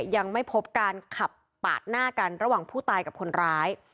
ยังไม่พบการขับปาดหน้ากันระหว่างผู้ตายกับคนร้าย